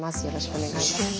よろしくお願いします。